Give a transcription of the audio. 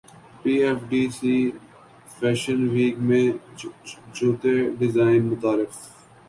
پی F D C fashion week میں اچھوتے design متعارف